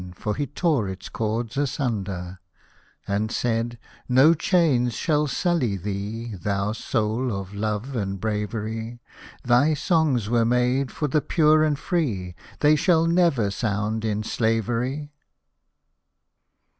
For he tore its chords asunder ; Hosted by Google FAREWELL ! 31 And said, "No chains shall sully thee, Thou soul of love and bravery ! Thy songs were made for the pure and free, They shall never sound in slavery."